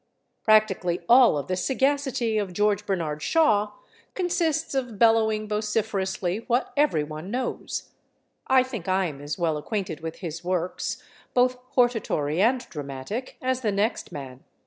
Practically all of the sagacity of George Bernard Shaw consists of bellowing vociferously what every one knows. I think I am as well acquainted with his works, both hortatory and dramatic, as the next man.